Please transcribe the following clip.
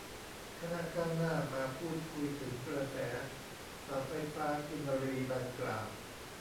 คณะก้าวหน้า มาพูดคุยถึงกระแสเสาไฟฟ้ากินรีดังกล่าว